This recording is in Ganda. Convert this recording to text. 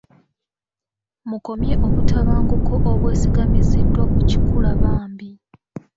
Mukomye obutabanguko obwesigamiziddwa ku kikula bambi.